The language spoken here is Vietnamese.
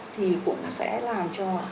thì cũng sẽ làm cho